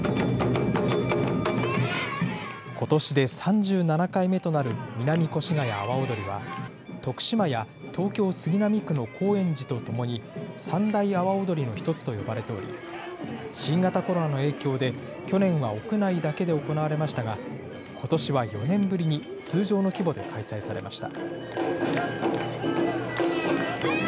ことしで３７回目となる南越谷阿波踊りは、徳島や東京・杉並区の高円寺とともに、三大阿波踊りの一つと呼ばれており、新型コロナの影響で、去年は屋内だけで行われましたが、ことしは４年ぶりに、通常の規模で開催されました。